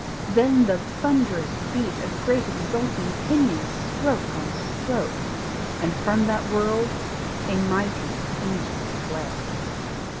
then the thunderous beat Of great exulting pinions stroke on stroke! And from that world a mighty angel fled.